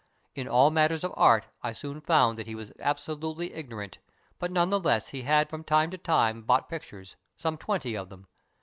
In all matters of art I soon found that he was absolutely ignorant, but none the less he had from time to time bought pictures, some twenty of them.